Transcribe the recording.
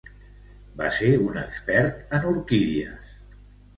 Va ser un expert en orquídies.